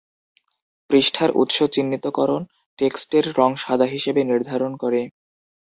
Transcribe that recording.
পৃষ্ঠার উৎস চিহ্নিতকরণ টেক্সটের রং সাদা হিসেবে নির্ধারণ করে।